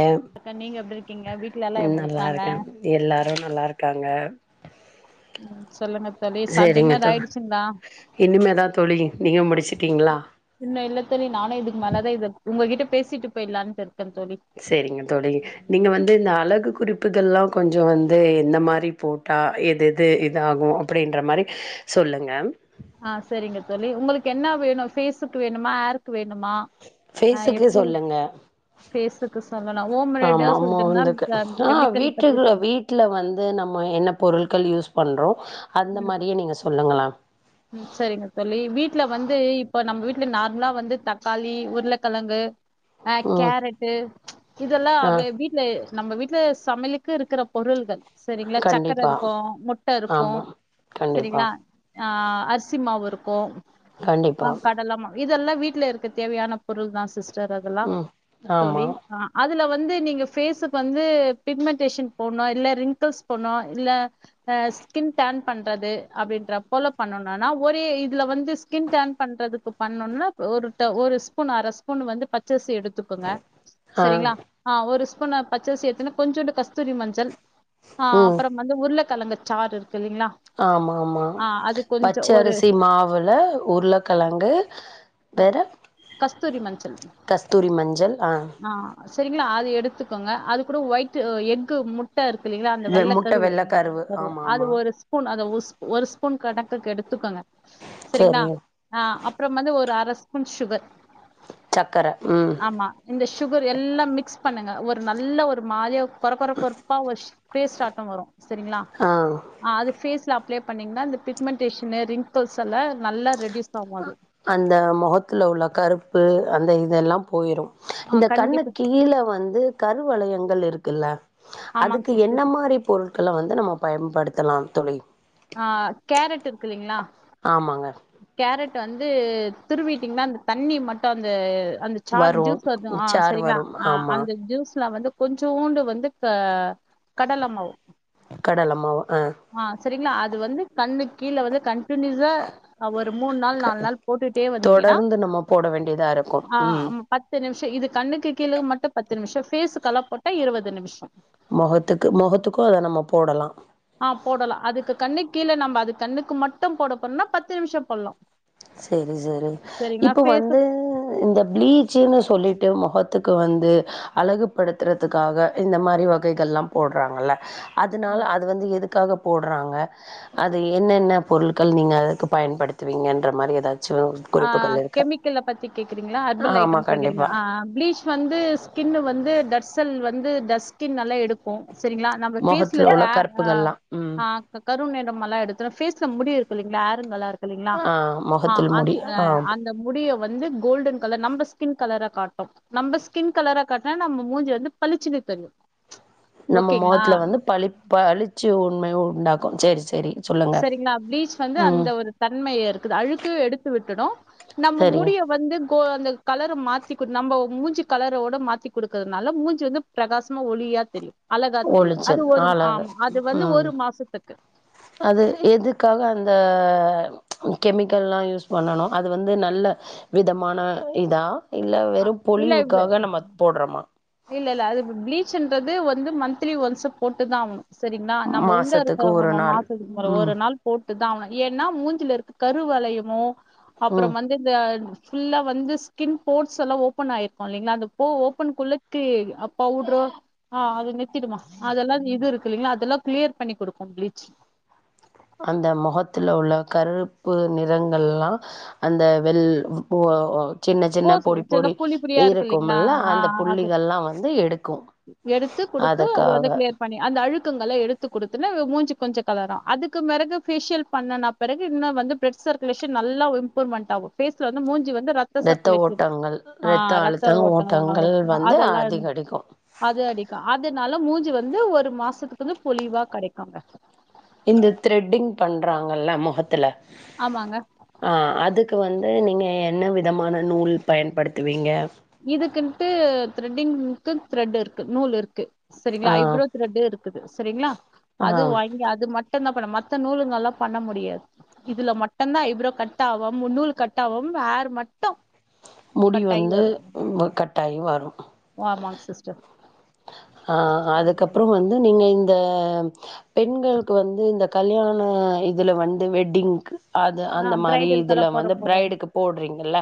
ஏவ் அக்கா நீங்க எப்டி இருக்கீங்க வீட்ல எல்லா எப்டி நல்லா இருக்காங்க இருக்கே எல்லாரு நல்லா இருக்காங்க ம் சொல்லுங்க தோழி சா சேரிங்க டின்னர் தோ ஆயிடுச்சுங்களா இனிமேதா தோழி நீங்க முடிச் சிட்டீங்களா சின்ன இல்ல தோழி நானு இதுக்கு மேலதா இத உங்ககிட்ட பேசிட்டு போயலான்ட் இரு தோரிங்க தோழி நீங்க வந்து இந்த அழகு குறிப்பு இதெல்லா கொஞ்ச வந்து எந்த மாரி போட்டா எது எது இதாகு அப்பிடின்ற மாரி சொல்லுங்க ஆ சரிங்க தோழி உங்களுக்கு என்ன வேணு பேஸக்கு வேணுமா ஹர்ருக் வேணு பேசுக்கு சொல்லுங்க ஃபேஸுக்கு சொல்லலா ஹோம் ரெமடியா ஆமா ஆமா சொல்லட்டுங்களா வந்துக்கு ம் ஆ கெமிக்கல் பத்தி வீட்டுக்குல சொல் வீட்ல வந்து நம்ம என்ன பொருள்கள் யூஸ் பண்றோ அந்த ம் மாரியே நீங்க சொல்லுங்கள ம் சரிங்க தோழி வீட்ல வந்து இப்ப நம்ம வீட்ல நார்மலா வந்து தக்காளி உருளைக்கிழங்கு அ ம் கேரட்டு இதெல்லா ஆ வ வீட்ல நம்ம வீட்ல சமையலுக்கு இருக்கிற பொருள்கள் சரிங்களா சக்கர கண்டிப்பா இருக்கு முட்ட இருக்கு ஆமா கண்டிப்பா சரிங்களா ஆ அரிசிமாவு இருக்கு கண்டிப்பா ஆ கடலமா இதெல்லா வீட்ல இருக்க தேவையான பொருள்தா சிஸ் டர் அதலெல்லா ம் ஆமா தோழி ஆ அ துல வந்து நீங்க ஃபேஸுக்கு வந்து பிக்மென்டேஷன் போனு இல்ல ரிங்கிள்ஸ் போனு இல்ல அ ஸ்கின் டேன் பண்றது அப்பிடின்ற போல பண்ணுன்னா ஒரே இதுல வந்து ஸ்கின் டேன் பண்றதுக்கு பண்ணனுன்னா ஒரு ட ஒரு ஸ்பூன் அர ஸ்பூன் வந்து பச்சர்ஸ் த்து எடுத்துக்குங்க ஆ சரிங்களா ஆ ஒரு ஸ் ஃப்பு பச்சர்சி எடுத்துன்னா கொஞ்சூண்டு கஸ்தூரி மஞ்சள் அ ம் அப்புறம் வந்து உருளக் கழங்கச் சாருர் ஆமா ஆமா கொஞ்சோ ஒரு பச்சரிசி மாவுல உருளக்கெழங்கு ஆ, வேற கஸ்தூரி மஞ்சள் கஸ்தூரி மஞ்சள் அ ஆ சரிங்களா அது எடுத்துக்கங்க அது கூட ஒய்ட் எக்கு முட் ட்டா இருக்குல்லிங்களா அந்த வெ முட்ட வெள்ளக்கருவு வெள்ளக்கருவு கரு ஆமா அது ஆமா ஒரு ஸ்பூன் அத ஒர் ஸ் ஒரு ஸ்பூன் கட க்கு கெடுத்துக்கங்க சரிங்களா சரி அ அப்புறம் வந்து ஒரு அரஸ் பூன் ஸ்சுகர் சக்கர ம் இந்த சுகர் எல்லா மிக்ஸ் பண்ணுங்க ஒரு நல்ல ஒரு மாரியா கொர கொர கொரப்பா வஷ் பேஸ்டாட்டம் வரு சரிங்களா ஆ அது ஃபேஸ்ல அப் ப்ளே பண்ணிங்கன்னா பிக்மென்டேஷ்ன்னு ரிங்க்ல்ஸ் எல்ல அ அந்த மொகத்துல உள்ள கருப்பு அந்த இ இதெல்லா போய்ரு ஆ இந்த கண்டிப்பா கண்ணுக் கீழ வந்து கருவலையங்கள் இருக் க்ல்ல ஆமாங்க அதுக்கு சிஸ்டர் என்ன மாரி பொருட்கல வந்து நம்மப் பயம்படுத்தலா தோழி அ கேரட் இருக்கில்லிங்களா ஆமாங்க ட்டு வந்து திருவீட்டிங்ன்னா அந்த தண்ணி மட்டு அந்த அந்தச் சார் வரு ஜூஸ் வந்து அ சார் சரிங்க்ளா வரும் அ ஆமா அந்த ஜூஸ்ல வந்து கொஞ்சோண்டு வந்து க கடலமாவு கடல மாவு ஆ சரிங்களா அது வந்து கண்ணு கீழ வந்து கண்டினியூசா அவ மூணு நாள் க நாலு நாள் போட்டுட்டே வந்தீங்கன்னா தொடர்ந்து நம்ம போட வேண்டியதா இருக்கு ஆ ம் பத்து நிமி இது கண்ணுக்கு கீழக்கு மட்டும் பத்து நிமிஷம் ஃபேஸ்க்குலா போட்டா இருபது நிமிஷம் முகத்துக்கு முகத்துக்கும் அத நம்ம போடலாம் ஆ போடலாம் அதுக்கு கண்ணு கீழ நம்ம அதுக்கு கண்ணுக்கு மட்டும் போட போறோம்னா பத்து நிமிஷம் போடலாம் செரி செரி இப்ப வந்து இந்த பிளீச்சுன்னு சொல்லிட்டு மொக த்துக்கு வந்து அழகுபடுத்துறதுக்காக இந்த மாரி வகைகள் எல்லா போடுறாங்கல்ல அதனால அது வந்து க்காக போடுறாங்க அது என்னென்ன பொருள் கல் நீங்க அதுக்கு பயன்படுத்துவீங்க மாரி தான் இது ஆ கெமிக்கல்ல பத்தி கேக்குறீங்களா ஹர்பல் ஆமா ஐட்டம் கேக்குறீங்க கண்டிப்பா ப்ளீச் வந்து ஸ்கின்னு வந்து டர்சல் வந்து வந்து டஸ்கின் நல்லா எடுக்கும் சரிங்களா நம்ம பேஸ்ல மொகத்துல உள்ள கருப்புகள்லா ம் கருநிறமெல்லா எடுத்துடும் பேஸ் முடி இருக்கும் இல்லைங்களா இல்லைங்களா ஆ ஆ முகத்தில் அந் முடி ஆ அந்த முடி வந்து கோல்டன் கலர் நம்ம ஸ்கின் கலரா காட்டும் நம்ம ஸ்கின் கலரா காட்ட நம்ம மூஞ்ச வந்து பளிச்சுனு தெரியும் நம்ம முகத்துல வந்து பளி பளிச்சு உண்மை உண்டா க்கும் சேரி சேரி சரிங்களா பிளீச் வந்து அந்த ஒரு தன்மைய இருக்குது அழுக்க எடுத்து விட்டுடும் நம்ம சரி முடிய வந்து அந்த கலர மாத்தி நம்ம மூஞ்சு கலரோட மாத்தி குடுக்கறதுனால மூஞ்சு வந்து பிரகாசமா ஒளியா தெரியும் அழகா தெரியும் அது ஒளிச்சல் ஒரு அழகு ஆமா அது வந்து ம் ஒரு மாசத்துக்கு அது எதுக்காக அந்த கெமிக்கல்லா யூஸ் பண்ணணும் அது வந்து நல்ல விதமான இதா இல்ல வெறும் இல்ல பொழிவுக்காக நம்ம போடுறோமா இல்ல இல்ல அது ப்ளீச்ன்றது வந்து மந்த்த்லி ஒன்ஸ் போட்டுதான் ஆ சரிங்களா நம்ம உண்டா மாசத்துக்கு ஒரு இருக்கவங்க நாள் மாசத்துக்கு ஒரு ம் ஒரு நாள் போட் [unintelligible] ஏன்னா மூஞ்சல இருக்க கருவலயமோ ம் அப்புறம் வந்த இந்த ஃபுல்லா வந்து ஸ்கின் போ்ட்ஸ் எல்லா ஓப்பன் ஆயிருக்கு இல்லைங்களா அந்த பே ஓப்பன் குள்ள தி பவுட்ரோ ஆ அது நித்திடுமா அதெல்லா இது இருக்கு இல்லைங்களா அதெல்லா கிளியர் பண்ணி கொடுக்கு ப்ளீச் அந்த முகத்துல உள்ள கருப்பு நிறங்கள்லா அந்த வெல் ஒ ஓ சின்ன சின்ன போஸ் பொடி சில பொடி புள்ளி புள்ளியா இருக்கு இல்லைங்களா இருக்கும்மல அந்த ஆ புள்ளிகள்லா வந்து எடுத் எடுத்து கொடுத்து அது வந்து கிளியர் பண்ணி அந்த அழுக் க்கங்கள எடுத்து கொடுத்தூ முஞ்சி கொஞ்சோ காலரா அதுக்கு பிறகோ பேசியில் பண்ணுன பிறகு இன்னு வந்து பேச்சுக் நல்ல இம்ப்ரூவ்மெண்ட் ஆகு ஃபேஸ்ல வந்து மூஞ்சி வந்து ரத்த இத்த சர்க்குலேஷன் ஓட்டங்கள் ரத்த ஆஹ் அழுத்தங்க ஓட்டம் ஓட்டங்கள் வந்து அதெல்லாம் அதிகரிக்கு அது அடிக்கா அது அதனால மூஞ்சு வந்து ஒரு மாசத்துக்கு வந்து பொலிவா கிடைக்காங்க இந்த த்ரெட்டிங் பண்றாங்கல்ல முகத்துல ஆமாங்க ஆ அதுக்கு வந் ந்து நீங்கள் என்ன விதமான நூல் பயன்படுத்துவீங்க இதுக்குன்னட்டு த்ரெட்டிங்க்கு த்ரெட் இருக்கு நூல் இருக்கு ஆ சரிங்களா ஐப்ரோ த்ரெட இருக்குது சரிங்களா ஆ அது வாங்கி அது மட் மட்டம்தா பண்ண மத்த நூலுங்க எல்லா பண்ண முடியாது இதுல மட்டுதா இப்ரோ கட்ட ஆகும் நூல் கட்ட ஆகும் ஹேர் மட்டு முடி வந்து உண்ம கட்டாயி வரு ஆமாங் சிஸ்டர் அ அதுக்கப்புறம் வந்து நீங்க இந் த பெண்களுக்கு வந்து இந்த கல்யாண இதில வந்து வெட்டிங்க்கு அது அந்த ஆ மாரி பிரைடலுக்கெல்லா இதில் போட வந்து போறோம் பிரைடுக்கு போடுறீங்கள்ல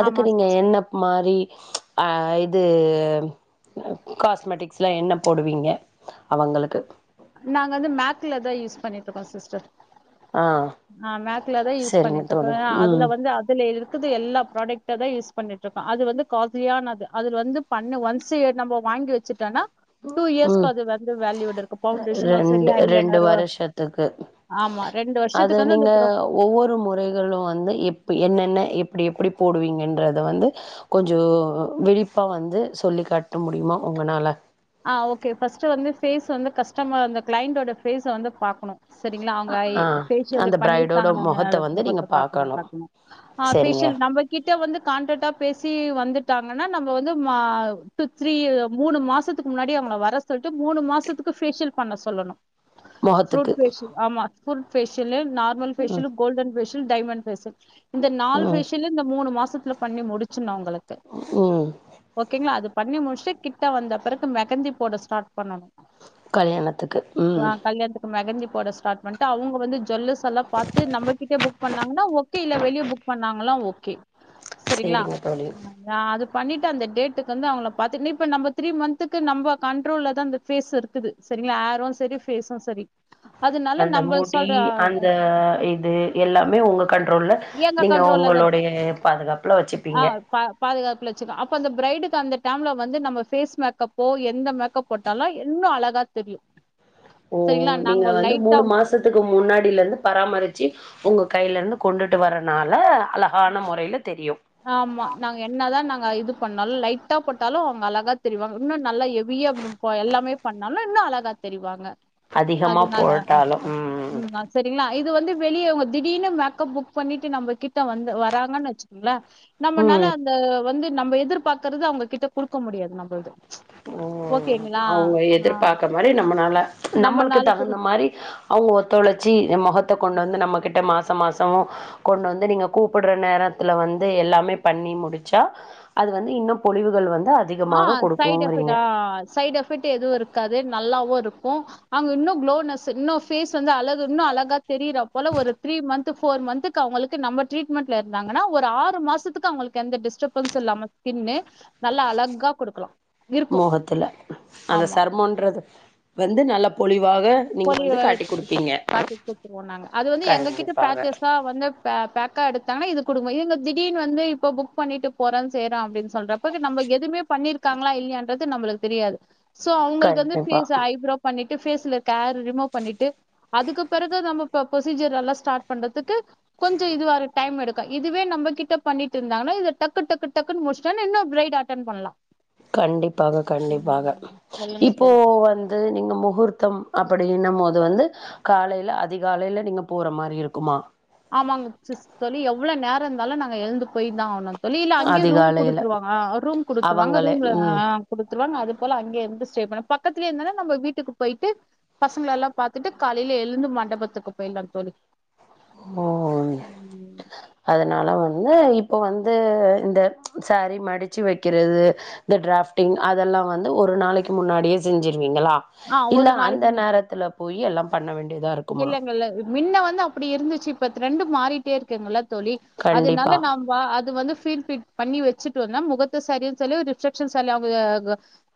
அதுக்கு ஆமா நீங்க சிஸ்டர் என்ன மாரி ஆ இது ம் காஸ்மெட்டிக் ஸ்ல என்ன போடுவீங்க அவங்களுக்கு நாங்க வந்து மேக்ல தா யூஸ் பண்ணிட்டு இருக்கோ சிஸ்டர் ஆ ஆ மேக்ல தா யூஸ் சரிங்க பண்ணிட்டு தோழி. இருக்கே ம் அதுல வந்து அதுல இருக் க்குது எல்லா ப்ராடக்ட தா யூஸ் பண்ணட்டு இருக்க அது வந்து காலியானது அது வந்து பண்ண ஒன் இயர் நம்ம வாங்கி வச்சுட்டோனா டூ இயர்ஸ்க்கு அது வந்து வேல்யூட இருக் ரெண்டு ரெண்டு வருஷத்துக்கு ஆமா ரெண்டு அது வருஷத்துக்கு வந்து அந்த நீங்க ப்ரோ ஒவ்வொரு முறைகளு வந்து இப் என்ன என்ன எப்டி எப்டி போடுவீங்கன்றத வந்து கொஞ்சோ விழிப்பா வந்து சொல்லி காட்ட முடியுமா ஒங்கனால ஆ ஓகே ஃபஸ்ட்டு வந்து ஃபேஸ் வந்து கஸ்டமர் அந்த கிளைண்ட்டோட ஃபேஸ வந்து பாக்கணு சரிங்ளா அவுங்க ஆ பேஷியல் அந்த பிரைடோட பண்ணிருக்காங்கள வந்து நீங்க மொகத்த பாக்கணு பாக்கணும். பாக்கணு ஆ சரிங்க. பேஷியல் நம்ம கிட்ட வந்து காண்டக்டா பேசி வந்துட்டாங்க என்னனா நம்ம வந்து மா த்ரீ மூனு மாசத்து க்கு முன்னாடி அவுங்கள வர சொல்லிட்டு மூனு மாசத்துக்கு பேஷியல் பண்ண சொல்லணு ஃப்ரூட் மொகத்துக்கு பேசியல் ஆமா ஃப்ரூட் பேசியலு நார்மல் ம் facial golden facial diamond facial இந்த நாலு ம் பேஷியலு இந்த மூனு மாச ல பண்ணி முடிச்சுனாங்கள ம் ஓகேங்ளா அது பண்ணி முடிச்சுட்டு கிட்ட வந்த பெறகு மெகந்தி போட ஸ்டாட் பண்ணனு கல்யாணத்துக்கு உம் கல்யாணத்துக்கு மெஹந்தி போட ஸ்டாட் பண்ணிட்டு அவுங்க வந்து ஜுவல்லர்ஸ் எல்லா பாத்து நம்மகிட்டே புக் பண்ணாங்கன்னா ஓகே இல்ல வெளிய புக் பண்ணாங்களா ஓ ஓகே சரிங்களா சரிங்க தோழி. அது பண்ணிட்டு அந்த டேட்டுக்கு வந்து அவுங்க பா ந த்ரீ மந்த் துக்கு நம்ப கண்ட்ரோல தா அந்த பேஸ் இருக்கு சரிங்களா ஏரு சரி பேஸு சரி அதனால அந்த நம்ம முடி சொல்ற அந்த இது எல்லாமே ஒங்க கண்ட்ரோல்லா எங்க நீங்க கண்ட்ரோல்ல தான் ஒங்களுடைய பாதுகாப்புல ஆ வச்சுப்பீங்க பா பாதுகாப்புல வச்சுக்கோ அப்ப அந்த பிரைடுக்கு அந்த டைம்ல வந்து நம்ம பேஸ் மேக்கப் இப்போ எந்த மேக்கப் போட்டாலு இன்னு அழகா தெரியு ஓ சரிங்களா நீங்க நாங்க வந்து லைட்டா மூனு மாசத்துக்கு முன்னாடில இருந்து பராமரிச்சு உங்க கையில இருந்து கொண்டுட்டு வரனால அழகான மொறையில ஆமா நாங்க என்னதா நாங்க இது பண்ணாலு லைட்டா போட்டாலு அவுங்க அழகா தெரிவாங்க இன்னு நல்லா கெவியா எல்லாமே பண்ணாலு இன்னு அழகா தெரிவாங்க அதிகமா அதனால அ போட்டாலு ம் உம் செரிங்ளா இது வந்து வெளிய இவுங்க திடீர்னு மேக்கப் புக் பண்ணிட்டு நம்ம கிட்ட வந்து வராங்கன்னு வச்சு ங்களா நம்மனால ம் அந்த வந்து நம்ம எதிர்பாக்கறது அவுங்க கிட்ட குடுக்க முடியாது நம்பள்து ஓ அவுங்க ஆ எதிர்பாத்த மாரி நம்மனால நம்மளுக்கு நம்மனால தகுந்த மாரி அவுங்க ஒத்துழச்சி மொகத்த கொண்டு வந்து நம்ம கிட்ட மாச மாச மாசோ கொண்டு வந்து நீங்க கூப்புட்ற நேரத்துல வந்து எல்லாமே பண்ணி முடிச்சா அது வந்து இன்னு பொலிவுகள் வந்து ஆ அதிகமாக கொடுக் சைட் எஃபெக்ட் சைட் எஃபெக்ட் எதுவு இருக்காது நல்லாவு இருக்கு அவுங்க இன்னு க்ளோனஸு இன்னு ஃபேஸ் வந்து அழகு இன்னு அழகா தெரியிரா போல த்ரீ மன்த்து ஃபோர் மன்த்துக்கு நம்ம அவுங்களுக்கு நம்ப ட்ரீட்மண்ட்ல இருந்தாகன்னா ஒரு ஆறு மாசத்துக்கு அவுங்களுக்கு எந்த டிஸ்டபண்ஸு இல்லாம ஸ்கின்னு நல்ல அழகா க்கா குடுக்கலா இருக்கு மொகத்துல அந்த ஆமா சருமன்றது வந்து நல்ல பொழி போலி காட்டிட்டு குடுத்துருவோ நாங்க அது வந்து எங்ககிட்ட கண்டிப்பாக பேச்சஸா வந்து பேக்கா எடுத்தாங்கன்னா இது குடுங்கோ இவுங்க திடீர்னு வந்து இப்ப புக் பண்ணிட்டு போறே செய்றோ அப்டின்னு சொல்றப்ப நம்ம எதுவுமே பண்ணியிருக்காங்ளா இல்லையான்றது நம்மளுக்கு தெரியாது சோ அவுங்களுக்கு வந்து கண்டிப்பா ஃபேச ஐப்புரோ பண்ணி ஃபேஸ்ல கேர் ரிமூவ் பண்ணிட்டு அதுக்கு பெறகு நம்ம புரசீஜுஜர் எல்லா ஸ்டாட் பண்றதுக்கு கொஞ்சோ இதுவா டைம் எடுக்கு இதுவே நம்ம கிட்ட பண்ணிட்டு இருந்தாங்கன்னா இத டக்கு டக்கு டக்குன்னு முடிச்ட்டா இன்னு பிரைடு அட்டன் பண்லா கண்டிப்பாக ம் கண்டிப்பாக சொல்லுங்க இப்போ தோழி வந்து நீங்க முகூர்த்தம் அப்டின்னம்போது வந்து காலேல அதிகாலையில நீங்க போற மாரி இருக்குமா ஆமாங்க சிஸ் தோழி எவ்வளவு நேரோ இருந்தாலு நாங்க எழுந்து போய்தா ஆவனு வெளில அங்கயே ரூம் அதிகாலையில குடுத்துருவாங்க ரூம் குடுத்துருவாங்க அவங்களே ரூம்ல ஆ ம் குடு வாங்க அது போல அங்க இருந்து ஸ்டே பக்கத்துலயே இருந்தா நம்ம வீட்டுக்கு போயிட்டு பசங்கள எல்லா பாத்துட்டு காலேயில எழுந்து மண்டபத்துக்கு போயிடலா தோழி ஓ ம். அதனால வந்து வந்து இப்போ வந்து இந்த சாரீஸ் மடிச்சு வக்குறது இந்த டிராஃப்டிங் அதெல்லா வந்து ஒரு நாளைக்கு முன்னாடியே செஞ்சி நீங்களா ஆ ஒரு இல்ல நாளைக்கு அந்த நேரத்துல போய் எல்லா பண்ண வேண்டி இதா இருக்குமா இல்லங்கல்ல மின்ன வந்து அப்படி இருந்துச்சு இப்ப ரெண்டு மாறிட்டே இருக்குங்ள தோழி கண்டிப்பா அதனால நாம அது வந்து பீட் பிக் பண்ணி வச்சுட்டு வந்த முகத்தா சரி சொல்லி ரிசப்சன் சரி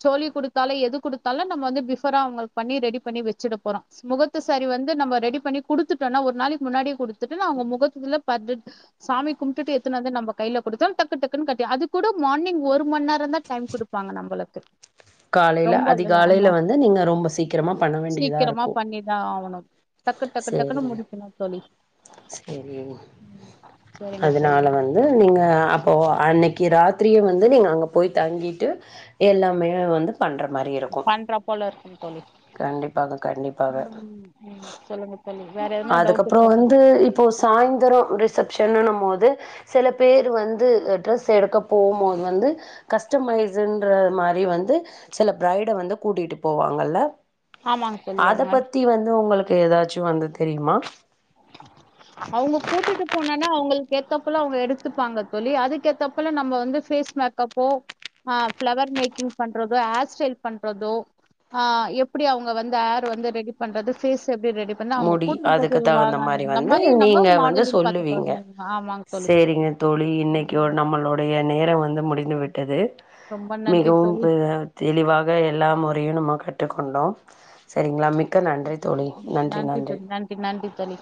சோல்லி குடுத்தாலு எது குடுத்தாலு நம்ப வந்து பிவோரா அவுங்களுக்கு பண்ணி ரெடி பண்ணி வச்சுட போறோ முகத்த சேரி வந்து நம்ம ரெடி பண்ணி குடுத்துட்டோனா ஒரு நாளைக்கு முன்னாடி குடுத்துட்டு அவுங்க முகத்துல சாமி கும்டுட்டு எத்தனு வந்து நம்ம கையில குடுத்தாலு டக்கு டக்குன்னு கட்டி அது கூட மார்னிங் ஒரு மணி நேரந்தா டைம் குடுப்பாங்க நம்மளுக்கு காலேயில அதிகாலையில வந்து நீங்க ரொம்ப சீக்கிரமா பண்ண வேண்டியதா இருக்கு ஆவனக் டக்கு டக்கு டக்குன்னு முடிக்கனு தோழி சரி ம் சரிங்க தோழி அதனால வந்து நீங்க அப்போ அன்னிக்கு ராத்திரியே வந்து நீங்க அங்க போய் தாங்கிட்டு எல்லாமே வந்து பண்ற மாரி இருக்கு பண்றா போல இருக்குங்க தோழி கண்டிப்பாக ம் ம் சொல்லுங்க தோழி வேற எதனா டவுட் அதுக்கப்புறோ இருக்கா தோழி வந்து இப்போ சாய்ந்தரோ ரிசப்ஷன் இன்னம் போது சில பேரு வந்து ட்ரெஸ் எடுக்க போம் போது வந்து கஸ்டமைஸன்ற மாரி வந்து சில பிரைட வந்து கூட்டிட்டு போவாங்கல்ல ஆமாங்க தோழி அத அவங்க பத்தி வந்து உங்களுக் க்கு எதாச் ட்டு வந்து தெரியுமா அவங்க கூட்டிட்டு போனனா அவங்களுக்கு ஏத்தப்பல அவங்க எடுத்துப்பாங்க தோழி அதுக்க ஏத்தப்பல நம்ம வந்து பேஸ் மேக்கப்போ ஆ ஃப்ளவர் மேக்கிங் பண்றதோ ஹேர் ஸ்டைல் பண்றதோ ஆ எப்பிடி அவங்க வந்து ஹேர் வந்து ரெடி பண்றது பேஸ் எ பிடி ரெடி பண்ண அவுங்க கூட்டுன் போ சொல்லு வா இப்பிடி வந்து நீங்க வந்து சொல்லுவீங்க ஆமாங்க தோழி சேரிங்க தோழி இன்னிக்கு ம் நம்மளோடை எ நேரோ வந்து முடிந்து விட்டது ரொம்ப நன்றி மிகவு தோழி பி தெளிவாக எல்லாம் முறையு நம கட் ட்டு கொண்டோ சேரிங்களா மிக் க்க நன்றி தோழி நன்றி இதுக் நன்றி நன்றி தனி